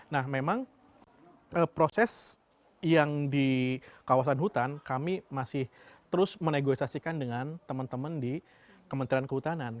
nah memang proses yang di kawasan hutan kami masih terus menegosiasikan dengan teman teman di kementerian kehutanan